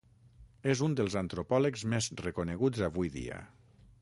És un dels antropòlegs més reconeguts avui dia.